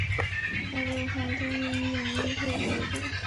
他入行多年多演绎配角为主。